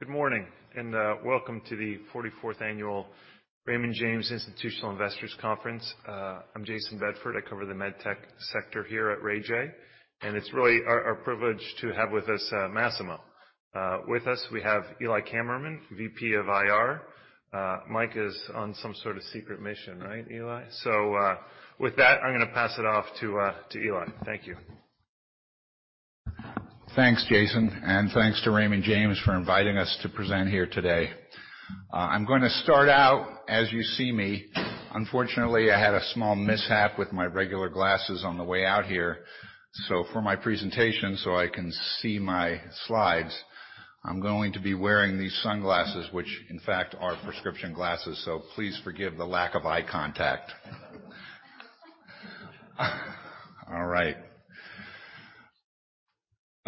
Good morning, welcome to the 44th annual Raymond James Institutional Investors Conference. I'm Jayson Bedford. I cover the MedTech sector here at Raymond James. It's really our privilege to have with us Masimo. With us, we have Eli Kammerman, VP of IR. Mike is on some sort of secret mission, right, Eli? With that, I'm gonna pass it off to Eli. Thank you. Thanks, Jayson. Thanks to Raymond James for inviting us to present here today. I'm gonna start out, as you see me. Unfortunately, I had a small mishap with my regular glasses on the way out here. For my presentation, so I can see my slides, I'm going to be wearing these sunglasses, which in fact are prescription glasses. Please forgive the lack of eye contact.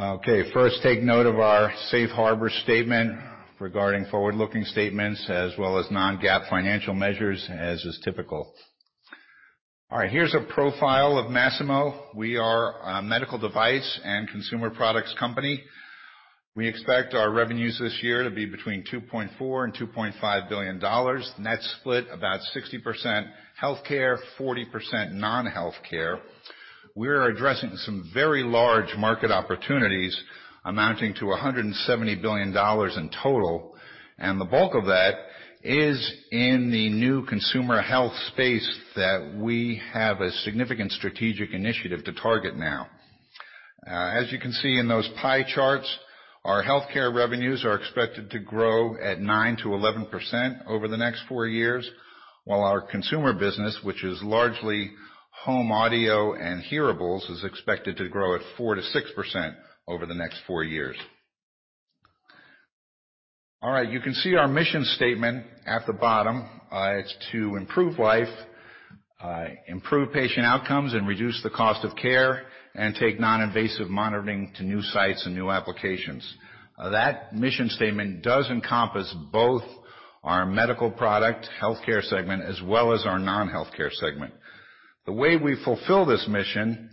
All right. Okay, first, take note of our safe harbor statement regarding forward-looking statements as well as non-GAAP financial measures, as is typical. All right, here's a profile of Masimo. We are a medical device and consumer products company. We expect our revenues this year to be between $2.4 billion and $2.5 billion. Net split, about 60% healthcare, 40% non-healthcare. We're addressing some very large market opportunities amounting to $170 billion in total. The bulk of that is in the new consumer health space that we have a significant strategic initiative to target now. As you can see in those pie charts, our healthcare revenues are expected to grow at 9%-11% over the next four years, while our consumer business, which is largely home audio and hearables, is expected to grow at 4%-6% over the next four years. You can see our mission statement at the bottom. It's to improve life, improve patient outcomes, and reduce the cost of care, and take noninvasive monitoring to new sites and new applications. That mission statement does encompass both our medical product healthcare segment as well as our non-healthcare segment. The way we fulfill this mission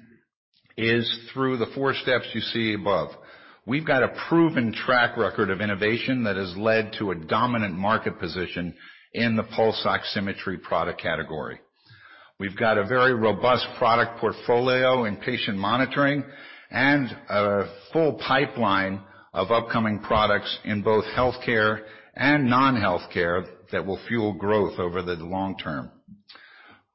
is through the four steps you see above. We've got a proven track record of innovation that has led to a dominant market position in the pulse oximetry product category. We've got a very robust product portfolio in patient monitoring and a full pipeline of upcoming products in both healthcare and non-healthcare that will fuel growth over the long term.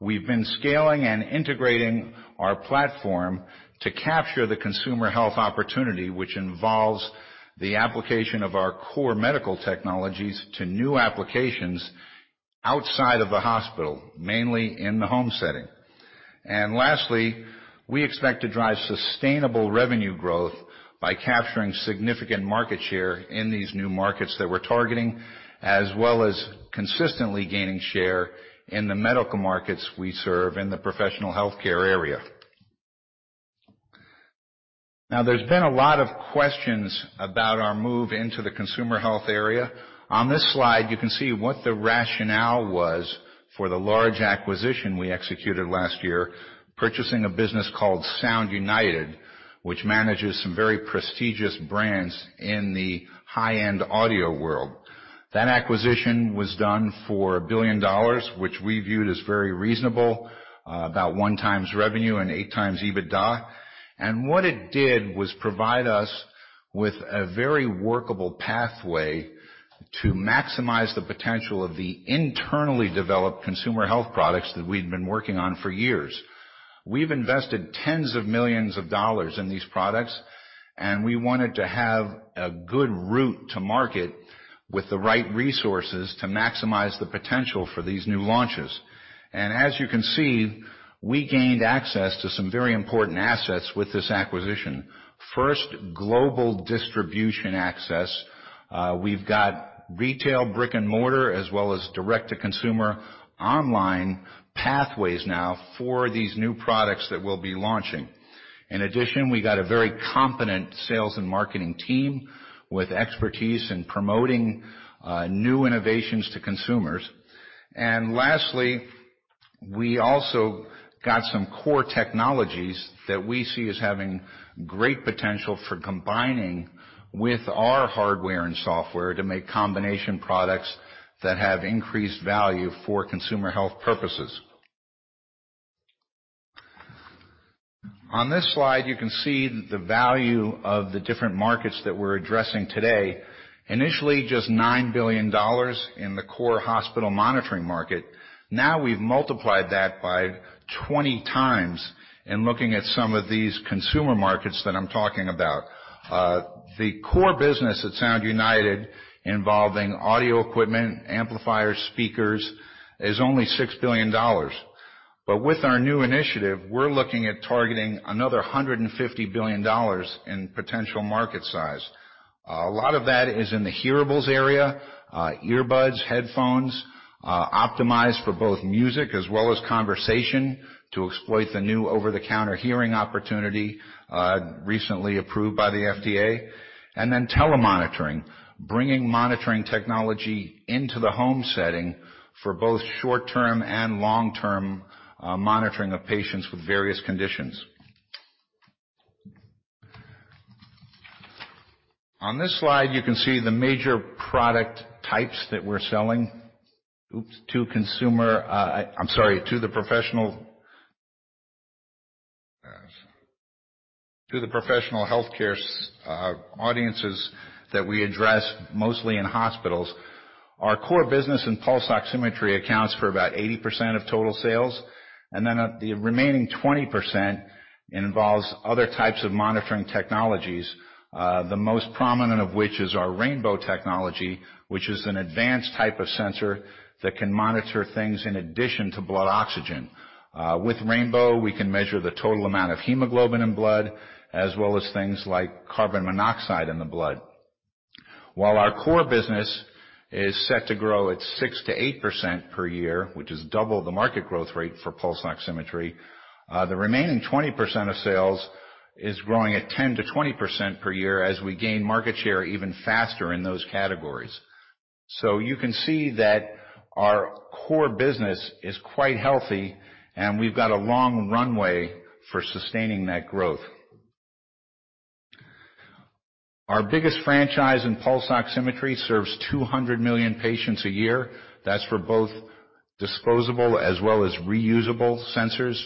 We've been scaling and integrating our platform to capture the consumer health opportunity, which involves the application of our core medical technologies to new applications outside of the hospital, mainly in the home setting. Lastly, we expect to drive sustainable revenue growth by capturing significant market share in these new markets that we're targeting, as well as consistently gaining share in the medical markets we serve in the professional healthcare area. There's been a lot of questions about our move into the consumer health area. On this slide, you can see what the rationale was for the large acquisition we executed last year, purchasing a business called Sound United, which manages some very prestigious brands in the high-end audio world. That acquisition was done for $1 billion, which we viewed as very reasonable, about 1x revenue and 8x EBITDA. What it did was provide us with a very workable pathway to maximize the potential of the internally developed consumer health products that we've been working on for years. We've invested tens of millions of dollars in these products, and we wanted to have a good route to market with the right resources to maximize the potential for these new launches. As you can see, we gained access to some very important assets with this acquisition. First, global distribution access. We've got retail brick and mortar as well as direct-to-consumer online pathways now for these new products that we'll be launching. In addition, we got a very competent sales and marketing team with expertise in promoting new innovations to consumers. Lastly, we also got some core technologies that we see as having great potential for combining with our hardware and software to make combination products that have increased value for consumer health purposes. On this slide, you can see the value of the different markets that we're addressing today. Initially, just $9 billion in the core hospital monitoring market. Now we've multiplied that by 20x in looking at some of these consumer markets that I'm talking about. The core business at Sound United involving audio equipment, amplifiers, speakers, is only $6 billion. With our new initiative, we're looking at targeting another $150 billion in potential market size. A lot of that is in the hearables area, earbuds, headphones, optimized for both music as well as conversation to exploit the new over-the-counter hearing opportunity, recently approved by the FDA. Then telemonitoring, bringing monitoring technology into the home setting for both short-term and long-term, monitoring of patients with various conditions. On this slide, you can see the major product types that we're selling to consumer-- I'm sorry, to the professional. To the professional healthcare audiences that we address mostly in hospitals. Our core business in pulse oximetry accounts for about 80% of total sales, and then, the remaining 20% involves other types of monitoring technologies, the most prominent of which is our Rainbow technology, which is an advanced type of sensor that can monitor things in addition to blood oxygen. With Rainbow, we can measure the total amount of hemoglobin in blood, as well as things like carbon monoxide in the blood. While our core business is set to grow at 6%-8% per year, which is double the market growth rate for pulse oximetry, the remaining 20% of sales is growing at 10%-20% per year as we gain market share even faster in those categories. You can see that our core business is quite healthy, and we've got a long runway for sustaining that growth. Our biggest franchise in pulse oximetry serves 200 million patients a year. That's for both disposable as well as reusable sensors.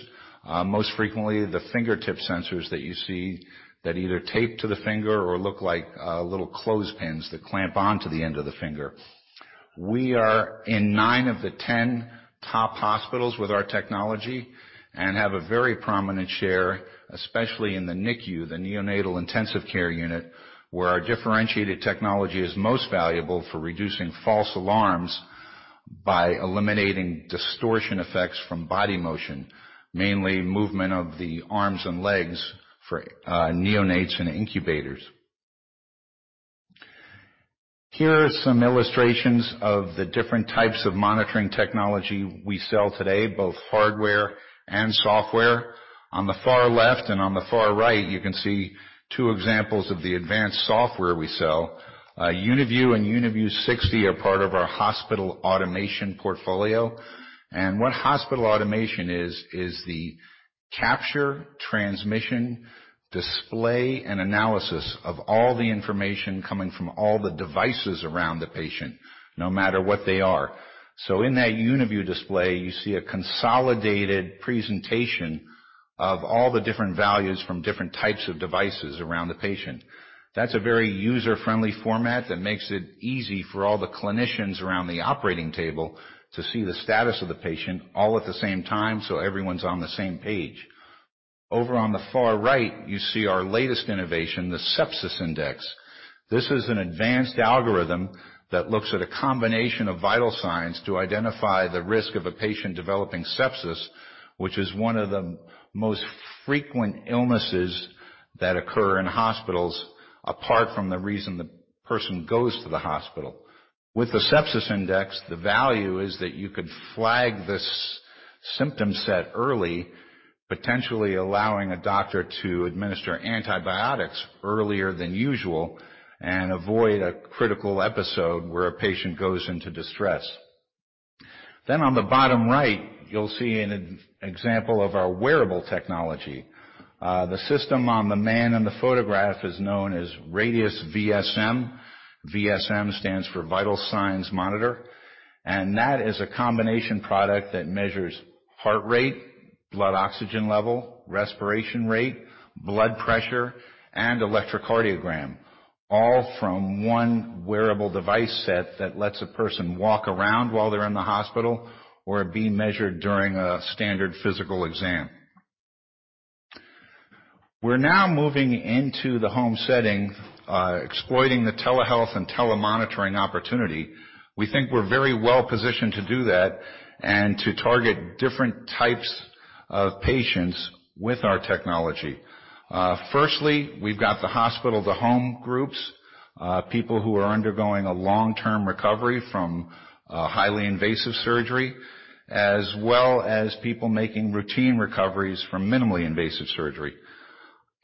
Most frequently, the fingertip sensors that you see that either tape to the finger or look like little clothespins that clamp on to the end of the finger. We are in nine of the 10 top hospitals with our technology and have a very prominent share, especially in the NICU, the neonatal intensive care unit, where our differentiated technology is most valuable for reducing false alarms by eliminating distortion effects from body motion, mainly movement of the arms and legs for neonates in incubators. Here are some illustrations of the different types of monitoring technology we sell today, both hardware and software. On the far left and on the far right, you can see two examples of the advanced software we sell. UniView and UniView 60 are part of our hospital automation portfolio. What hospital automation is the capture, transmission, display, and analysis of all the information coming from all the devices around the patient, no matter what they are. In that UniView display, you see a consolidated presentation of all the different values from different types of devices around the patient. That's a very user-friendly format that makes it easy for all the clinicians around the operating table to see the status of the patient all at the same time, so everyone's on the same page. Over on the far right, you see our latest innovation, the Sepsis Index. This is an advanced algorithm that looks at a combination of vital signs to identify the risk of a patient developing Sepsis, which is one of the most frequent illnesses that occur in hospitals, apart from the reason the person goes to the hospital. With the Sepsis Index, the value is that you could flag this symptom set early, potentially allowing a doctor to administer antibiotics earlier than usual and avoid a critical episode where a patient goes into distress. On the bottom right, you'll see an example of our wearable technology. The system on the man in the photograph is known as Radius VSM. VSM stands for Vital Signs Monitor, and that is a combination product that measures heart rate, blood oxygen level, respiration rate, blood pressure, and electrocardiogram, all from one wearable device set that lets a person walk around while they're in the hospital or be measured during a standard physical exam. We're now moving into the home setting, exploiting the telehealth and telemonitoring opportunity. We think we're very well-positioned to do that and to target different types of patients with our technology. Firstly, we've got the hospital-to-home groups, people who are undergoing a long-term recovery from a highly invasive surgery, as well as people making routine recoveries from minimally invasive surgery.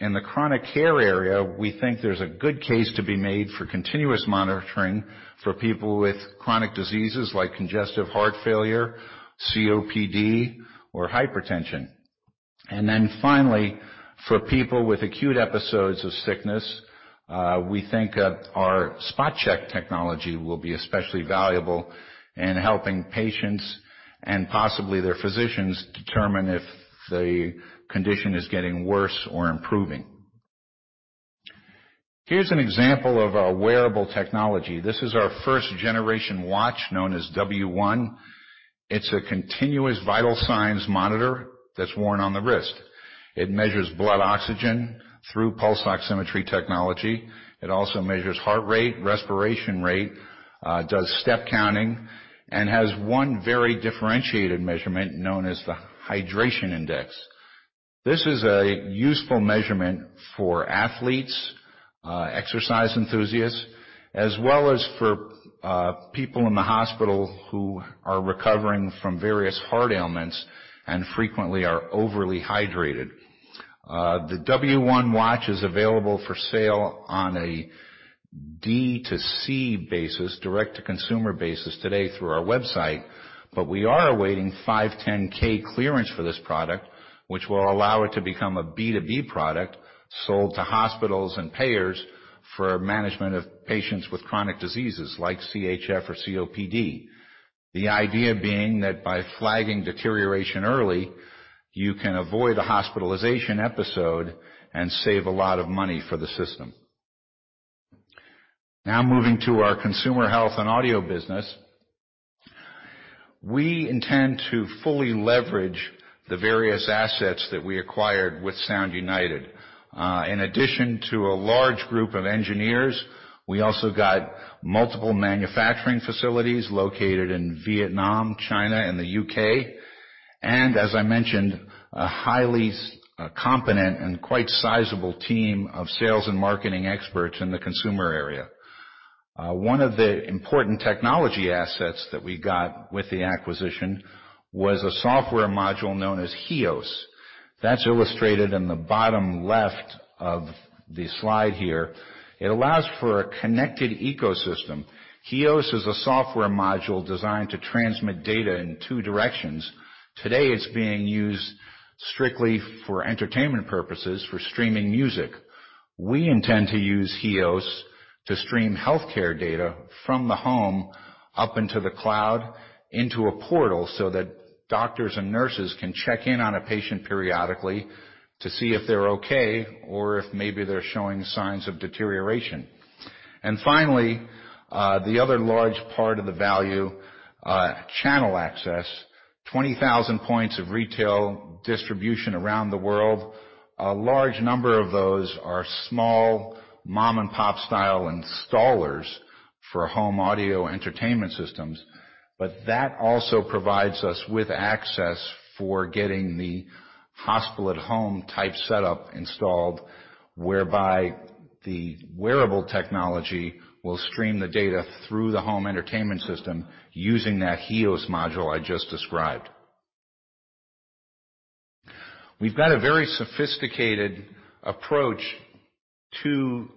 In the chronic care area, we think there's a good case to be made for continuous monitoring for people with chronic diseases like congestive heart failure, COPD, or hypertension. Finally, for people with acute episodes of sickness, we think our spot check technology will be especially valuable in helping patients and possibly their physicians determine if the condition is getting worse or improving. Here's an example of our wearable technology. This is our first-generation watch known as W1. It's a continuous vital signs monitor that's worn on the wrist. It measures blood oxygen through pulse oximetry technology. It also measures heart rate, respiration rate, does step counting, and has one very differentiated measurement known as the Hydration Index. This is a useful measurement for athletes, exercise enthusiasts, as well as for people in the hospital who are recovering from various heart ailments and frequently are overly hydrated. The W1 watch is available for sale on a D2C basis, direct-to-consumer basis today through our website, but we are awaiting 510(k) clearance for this product, which will allow it to become a B2B product sold to hospitals and payers for management of patients with chronic diseases like CHF or COPD. The idea being that by flagging deterioration early, you can avoid a hospitalization episode and save a lot of money for the system. Now moving to our consumer health and audio business. We intend to fully leverage the various assets that we acquired with Sound United. In addition to a large group of engineers, we also got multiple manufacturing facilities located in Vietnam, China, and the U.K. As I mentioned, a highly competent and quite sizable team of sales and marketing experts in the consumer area. One of the important technology assets that we got with the acquisition was a software module known as HEOS. That's illustrated in the bottom left of the slide here. It allows for a connected ecosystem. HEOS is a software module designed to transmit data in two directions. Today, it's being used strictly for entertainment purposes, for streaming music. We intend to use HEOS to stream healthcare data from the home up into the cloud, into a portal, so that doctors and nurses can check in on a patient periodically to see if they're okay or if maybe they're showing signs of deterioration. Finally, the other large part of the value, channel access, 20,000 points of retail distribution around the world. A large number of those are small mom-and-pop style installers for home audio entertainment systems. That also provides us with access for getting the hospital-at-home type setup installed, whereby the wearable technology will stream the data through the home entertainment system using that HEOS module I just described. We've got a very sophisticated approach to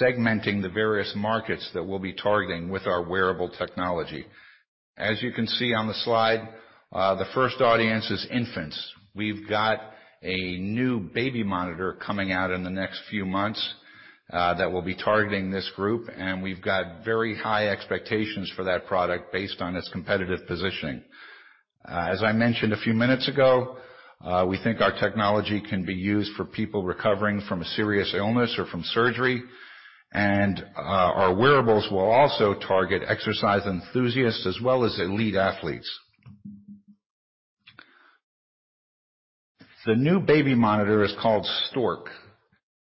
segmenting the various markets that we'll be targeting with our wearable technology. As you can see on the slide, the first audience is infants. We've got a new baby monitor coming out in the next few months, that will be targeting this group, and we've got very high expectations for that product based on its competitive positioning. As I mentioned a few minutes ago, we think our technology can be used for people recovering from a serious illness or from surgery. Our wearables will also target exercise enthusiasts as well as elite athletes. The new baby monitor is called Stork.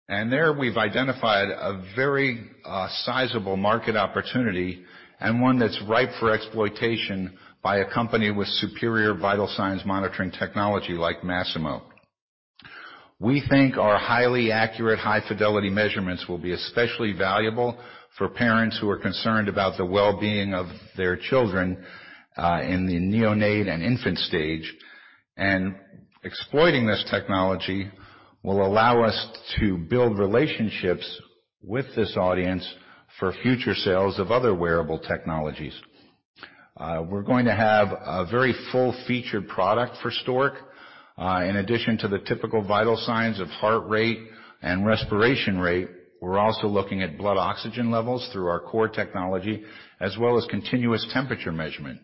There we've identified a very sizable market opportunity and one that's ripe for exploitation by a company with superior vital signs monitoring technology like Masimo. We think our highly accurate, high-fidelity measurements will be especially valuable for parents who are concerned about the well-being of their children in the neonate and infant stage. Exploiting this technology will allow us to build relationships with this audience for future sales of other wearable technologies. We're going to have a very full-featured product for Stork. In addition to the typical vital signs of heart rate and respiration rate, we're also looking at blood oxygen levels through our core technology, as well as continuous temperature measurement.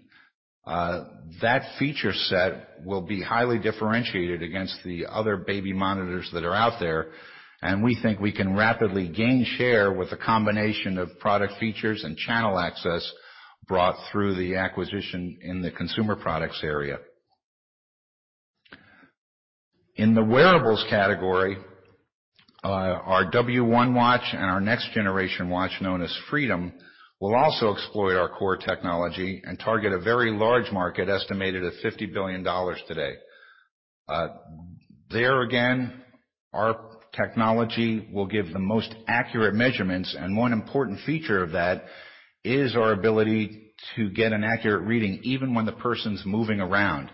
That feature set will be highly differentiated against the other baby monitors that are out there, we think we can rapidly gain share with a combination of product features and channel access brought through the acquisition in the consumer products area. In the wearables category, our Masimo W1 watch and our next generation watch known as Masimo Freedom, will also exploit our core technology and target a very large market estimated at $50 billion today. There again, our technology will give the most accurate measurements, one important feature of that is our ability to get an accurate reading even when the person's moving around.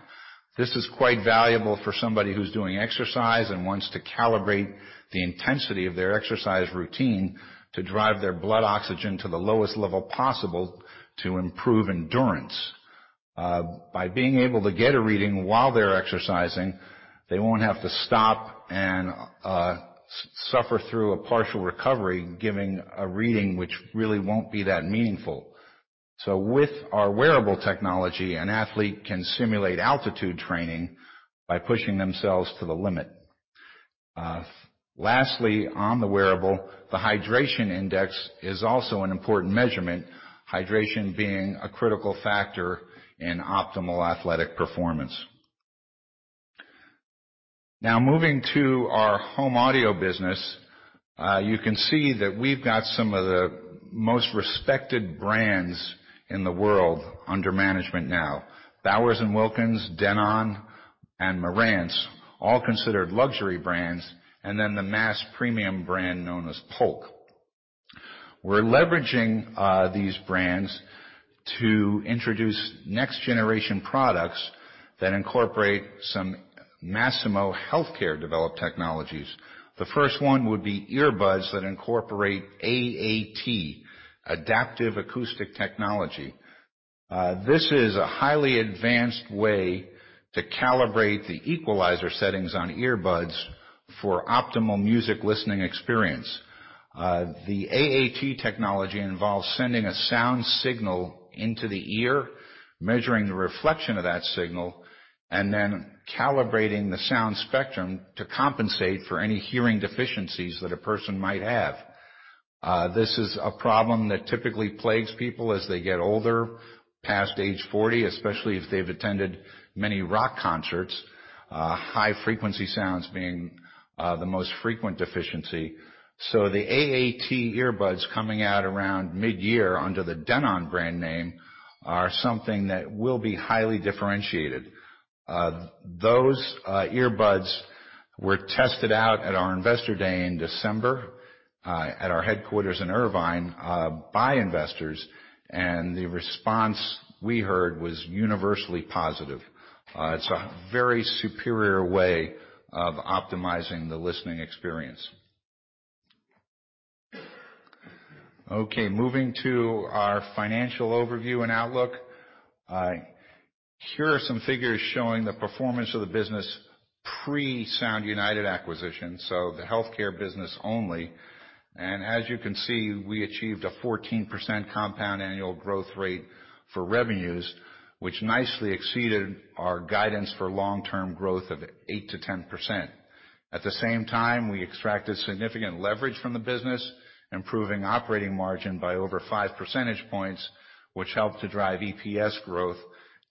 This is quite valuable for somebody who's doing exercise and wants to calibrate the intensity of their exercise routine to drive their blood oxygen to the lowest level possible to improve endurance. By being able to get a reading while they're exercising, they won't have to stop and suffer through a partial recovery, giving a reading which really won't be that meaningful. With our wearable technology, an athlete can simulate altitude training by pushing themselves to the limit. Lastly, on the wearable, the Hydration Index is also an important measurement, hydration being a critical factor in optimal athletic performance. Moving to our home audio business, you can see that we've got some of the most respected brands in the world under management now. Bowers & Wilkins, Denon, and Marantz, all considered luxury brands, and then the mass premium brand known as Polk. We're leveraging these brands to introduce next-generation products that incorporate some Masimo healthcare-developed technologies. The first one would be earbuds that incorporate AAT, Adaptive Acoustic Technology. This is a highly advanced way to calibrate the equalizer settings on earbuds, for optimal music listening experience. The AAT technology involves sending a sound signal into the ear, measuring the reflection of that signal, and then calibrating the sound spectrum to compensate for any hearing deficiencies that a person might have. This is a problem that typically plagues people as they get older, past age 40, especially if they've attended many rock concerts. High frequency sounds being the most frequent deficiency. The AAT earbuds coming out around mid-year under the Denon brand name are something that will be highly differentiated. Those earbuds were tested out at our investor day in December at our headquarters in Irvine by investors, and the response we heard was universally positive. It's a very superior way of optimizing the listening experience. Okay, moving to our financial overview and outlook. Here are some figures showing the performance of the business pre-Sound United acquisition, so the healthcare business only. As you can see, we achieved a 14% compound annual growth rate for revenues, which nicely exceeded our guidance for long-term growth of 8%-10%. At the same time, we extracted significant leverage from the business, improving operating margin by over 5 percentage points, which helped to drive EPS growth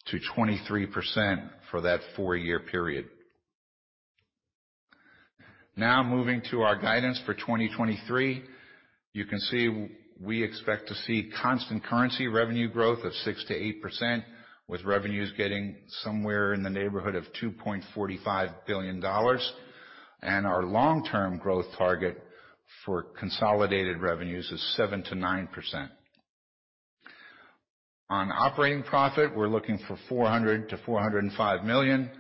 to 23% for that four-year period. Moving to our guidance for 2023. You can see we expect to see constant currency revenue growth of 6%-8%, with revenues getting somewhere in the neighborhood of $2.45 billion. Our long-term growth target for consolidated revenues is 7%-9%. On operating profit, we're looking for $400 million-$405 million.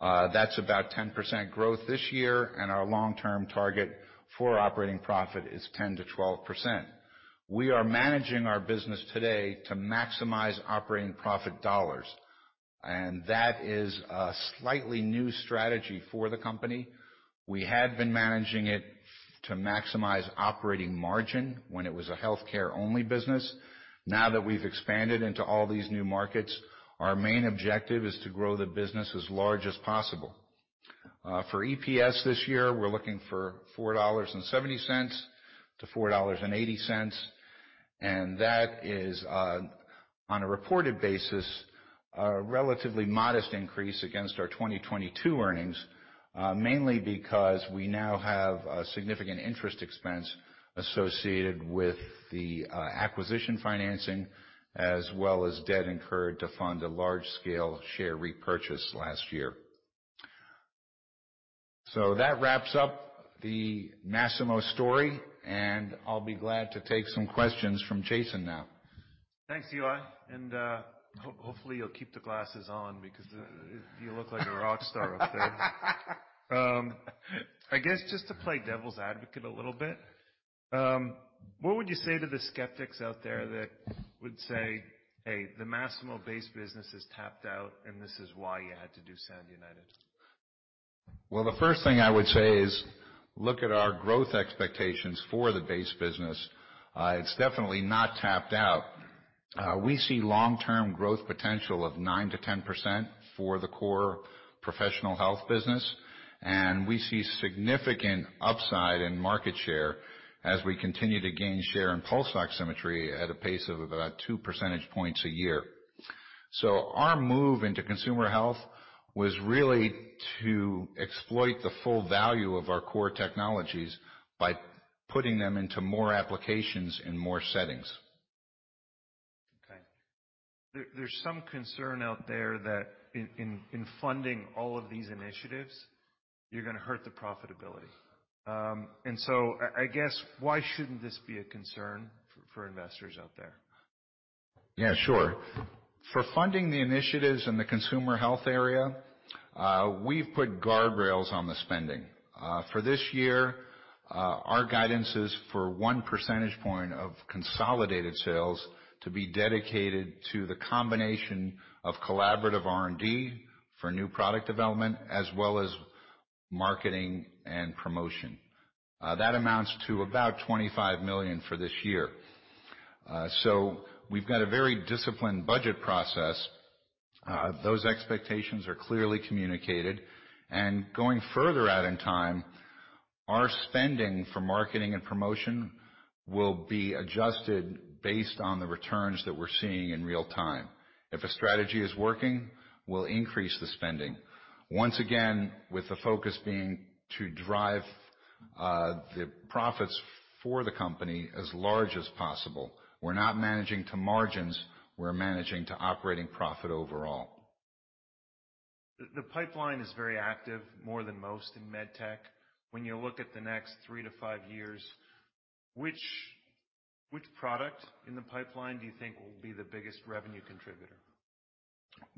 That's about 10% growth this year, and our long-term target for operating profit is 10%-12%. We are managing our business today to maximize operating profit dollars, and that is a slightly new strategy for the company. We had been managing it to maximize operating margin when it was a healthcare-only business. Now that we've expanded into all these new markets, our main objective is to grow the business as large as possible. For EPS this year, we're looking for $4.70-$4.80, and that is on a reported basis, a relatively modest increase against our 2022 earnings, mainly because we now have a significant interest expense associated with the acquisition financing as well as debt incurred to fund a large-scale share repurchase last year. That wraps up the Masimo story, and I'll be glad to take some questions from Jayson now. Thanks, Eli. Hopefully you'll keep the glasses on because the. You look like a rock star up there. I guess just to play devil's advocate a little bit, what would you say to the skeptics out there that would say, "Hey, the Masimo base business is tapped out, and this is why you had to do Sound United"? The first thing I would say is look at our growth expectations for the base business. It's definitely not tapped out. We see long-term growth potential of 9%-10% for the core professional health business, and we see significant upside in market share as we continue to gain share in pulse oximetry at a pace of about 2 percentage points a year. Our move into consumer health was really to exploit the full value of our core technologies by putting them into more applications in more settings. Okay. There's some concern out there that in funding all of these initiatives, you're gonna hurt the profitability. I guess why shouldn't this be a concern for investors out there? Yeah, sure. For funding the initiatives in the consumer health area, we've put guardrails on the spending. For this year, our guidance is for 1 percentage point of consolidated sales to be dedicated to the combination of collaborative R&D for new product development as well as marketing and promotion. That amounts to about $25 million for this year. We've got a very disciplined budget process. Those expectations are clearly communicated. Going further out in time, our spending for marketing and promotion will be adjusted based on the returns that we're seeing in real time. If a strategy is working, we'll increase the spending, once again, with the focus being to drive, the profits for the company as large as possible. We're not managing to margins, we're managing to operating profit overall. The pipeline is very active, more than most in MedTech. When you look at the next three to five years, which product in the pipeline do you think will be the biggest revenue contributor?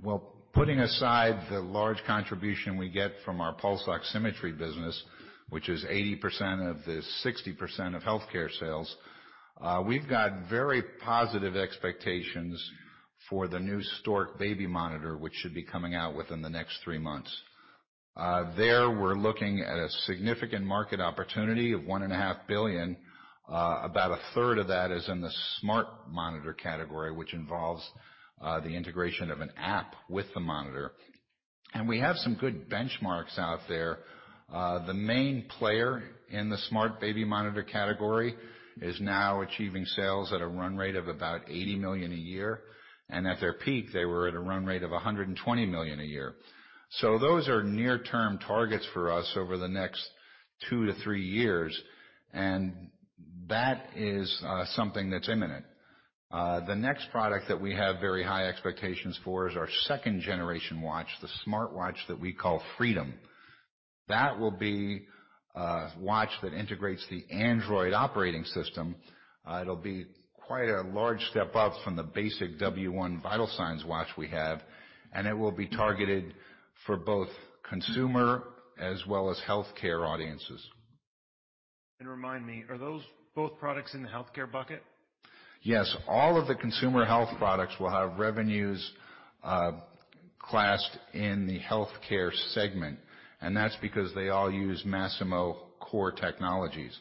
Well, putting aside the large contribution we get from our pulse oximetry business, which is 80% of the 60% of healthcare sales. We've got very positive expectations for the new Stork baby monitor, which should be coming out within the next three months. There, we're looking at a significant market opportunity of $1.5 billion. About a third of that is in the smart monitor category, which involves the integration of an app with the monitor. We have some good benchmarks out there. The main player in the smart baby monitor category is now achieving sales at a run rate of about $80 million a year, and at their peak, they were at a run rate of $120 million a year. Those are near-term targets for us over the next 2-3 years, and that is something that's imminent. The next product that we have very high expectations for is our second generation watch, the smartwatch that we call Freedom. That will be a watch that integrates the Android operating system. It'll be quite a large step up from the basic W1 vital signs watch we have, and it will be targeted for both consumer as well as healthcare audiences. Remind me, are those both products in the healthcare bucket? Yes. All of the consumer health products will have revenues, classed in the healthcare segment, and that's because they all use Masimo core technologies.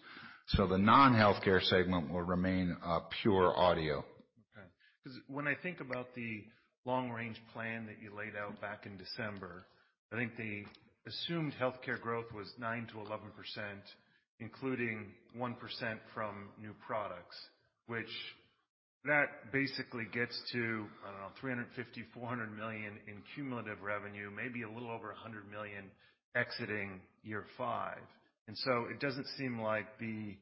The non-healthcare segment will remain, pure audio. Okay. 'Cause when I think about the long-range plan that you laid out back in December, I think the assumed healthcare growth was 9%-11%, including 1% from new products, which that basically gets to, I don't know, $350 million-$400 million in cumulative revenue, maybe a little over $100 million exiting year 5. It doesn't seem like the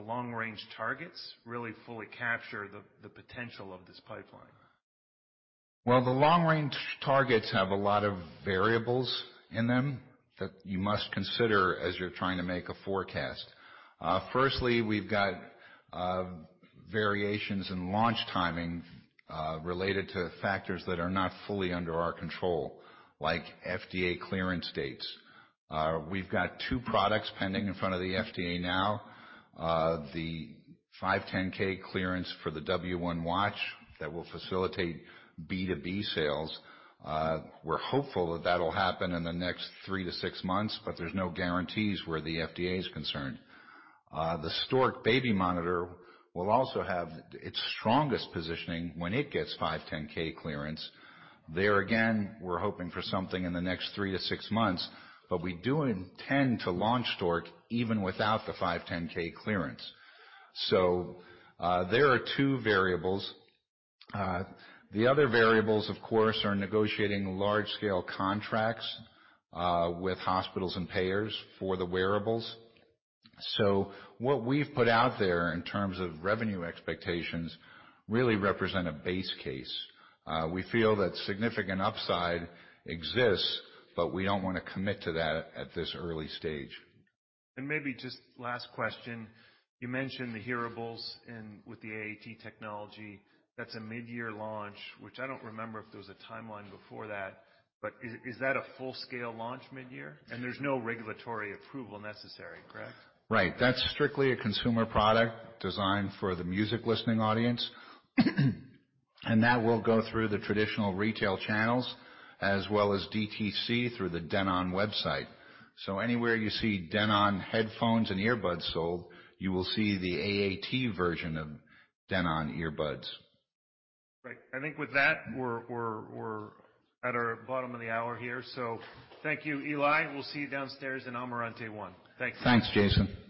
long-range targets really fully capture the potential of this pipeline. Well, the long range targets have a lot of variables in them that you must consider as you're trying to make a forecast. Firstly, we've got variations in launch timing related to factors that are not fully under our control, like FDA clearance dates. We've got two products pending in front of the FDA now. The 510(k) clearance for the W1 watch that will facilitate B2B sales. We're hopeful that that'll happen in the next three to six months, but there's no guarantees where the FDA is concerned. The Stork baby monitor will also have its strongest positioning when it gets 510(k) clearance. There again, we're hoping for something in the next three to six months. We do intend to launch Stork even without the 510(k) clearance. There are two variables. The other variables, of course, are negotiating large scale contracts with hospitals and payers for the wearables. What we've put out there in terms of revenue expectations really represent a base case. We feel that significant upside exists, but we don't wanna commit to that at this early stage. Maybe just last question. You mentioned the Hearables and with the AAT technology, that's a mid-year launch, which I don't remember if there was a timeline before that. Is that a full-scale launch mid-year? There's no regulatory approval necessary, correct? Right. That's strictly a consumer product designed for the music listening audience. That will go through the traditional retail channels as well as DTC through the Denon website. Anywhere you see Denon headphones and earbuds sold, you will see the AAT version of Denon earbuds. Great. I think with that, we're at our bottom of the hour here. Thank you, Eli. We'll see you downstairs in Amarante One. Thank you. Thanks, Jason.